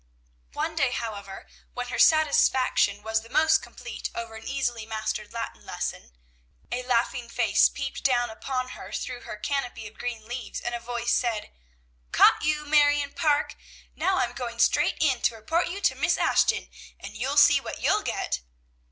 One day, however, when her satisfaction was the most complete over an easily mastered Latin lesson, a laughing face peeped down upon her through her canopy of green leaves, and a voice said, "Caught you, Marion Parke! Now I'm going straight in to report you to Miss Ashton, and you'll see what you'll get."